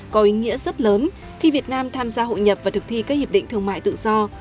có ý nghĩa rất lớn khi việt nam tham gia hội nhập và thực thi các hiệp định thương mại tự do